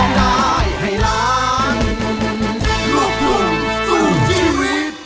สวัสดีครับ